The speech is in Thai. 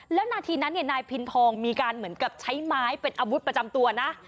แล้วนาทีนั้นนายพินทองมีการเหมือนกับใช้ไม้เป็นอาวุธประจำตัวนะ